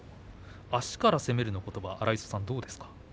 足から攻めるということは荒磯さん、どうですか。